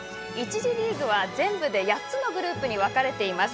１次リーグは全部で８つのグループに分かれています。